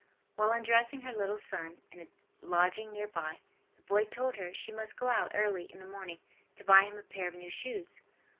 While undressing her little son, in a lodging near by, the boy told her she must go out early in the morning to buy him a pair of new shoes.